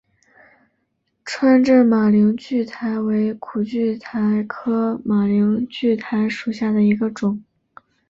川滇马铃苣苔为苦苣苔科马铃苣苔属下的一个种。